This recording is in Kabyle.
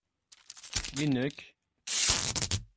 I nekk?